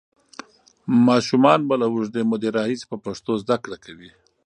ماشومان به له اوږدې مودې راهیسې په پښتو زده کړه کوي.